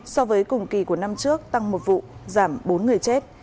so với cùng kỳ của năm trước tăng một vụ giảm bốn người chết